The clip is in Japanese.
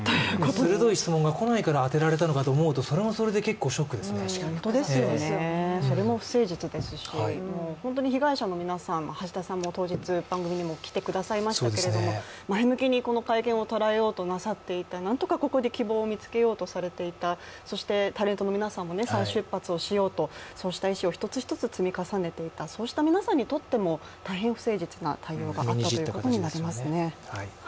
鋭い質問がこないから当てられたのかなと思うと、それはそれでショックですけども。それも不誠実ですし、本当に被害者の皆さん、橋田さんも当日、番組にも来てくださいましたけれども前向きにこの会見を捉えようとなさっていてなんとかここで希望を見つけようとされていたそしてタレントの皆さんも再出発をしようと、そうした意思を１つずつ積み重ねていった、そうした皆さんにとっても大変不誠実な対応があったということになりますね。